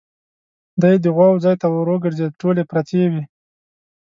دی د غواوو ځای ته ور وګرځېد، ټولې پرتې وې.